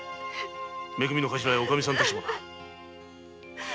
め組のカシラもおかみさんたちもだ。